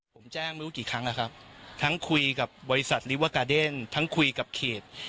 ผมแจ้งไม่รู้กี่ครั้งแล้วครับทั้งคุยกับบริษัททั้งคุยกับเขต